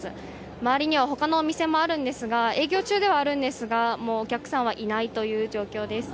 周りには他のお店もあるんですが営業中ではあるんですがお客さんはいないという状況です。